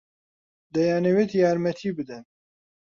دەیانەوێت یارمەتی بدەن.